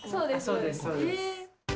そうですそうです。